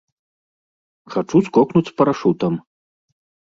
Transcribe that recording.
Хачу скокнуць з парашутам.